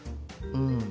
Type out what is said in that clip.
うん。